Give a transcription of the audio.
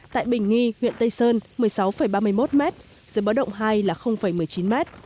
tại bình nghi huyện tây sơn một mươi sáu ba mươi một mét giữa bớt động hai là một mươi chín mét